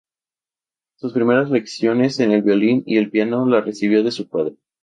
Sus primeras lecciones en el violín y el piano la recibió de su padre.